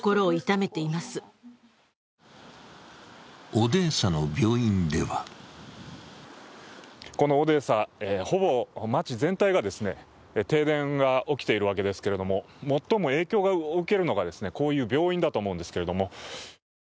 オデーサの病院ではこのオデーサ、ほぼ街全体が停電が起きているわけですけれども、最も影響を受けるのがこういう病院だと思うんですけれども。